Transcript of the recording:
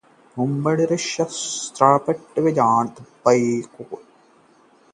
Mumbai airport के runway से हटाया गया दुर्घटनाग्रस्त स्पाइसजेट विमान